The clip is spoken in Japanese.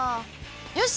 よし！